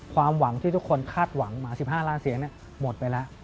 ความหวังที่ทุกคนคาดหวังมา๑๕ล้านเสียงหมดไปแล้ว